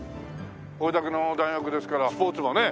これだけの大学ですからスポーツもね